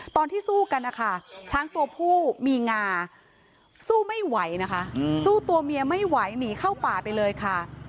ตอนที่สู้กันนะคะช้างตัวผู้มีงาสู้ไม่ไหวนะคะสู้ตัวเมียไม่ไหวหนีเข้าป่าไปเลยค่ะ